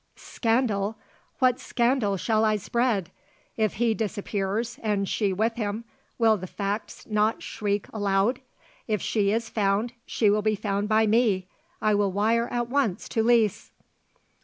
"Scandal! What scandal shall I spread? If he disappears and she with him, will the facts not shriek aloud? If she is found she will be found by me. I will wire at once to Lise."